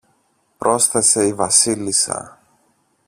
πρόσθεσε η Βασίλισσα.